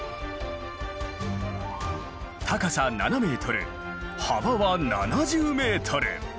高さ７ｍ幅は７０ｍ！